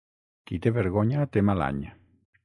Qui té vergonya té mal any.